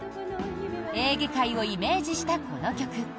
エーゲ海をイメージしたこの曲。